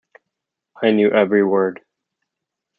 I knew every word.